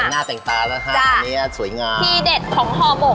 กับใหม่คุณคุณครับ